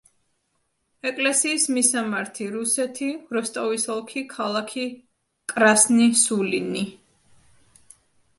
ეკლესიის მისამართი: რუსეთი, როსტოვის ოლქი, ქალაქი კრასნი-სულინი.